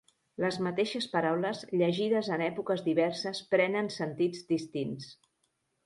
Les mateixes paraules llegides en èpoques diverses prenen sentits distints.